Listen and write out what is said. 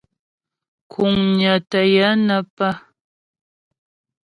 Kuŋnyə tə́ yə nə́ pə́.